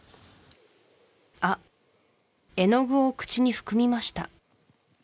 あっ絵の具を口に含みました